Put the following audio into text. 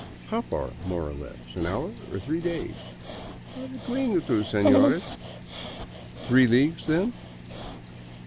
" How far, more or less ; an hour, or three days ?"" Between the two, senores." "Three leagues, then?"